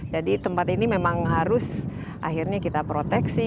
jadi tempat ini memang harus akhirnya kita proteksi